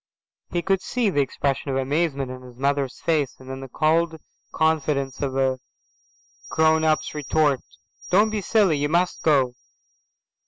He could see the expression of amazement on his mother's face, and then the cold confidence of a grown up's retort. "Don't be silly. You must go.